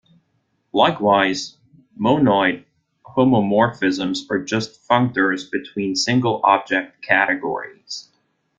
Likewise, monoid homomorphisms are just functors between single object categories.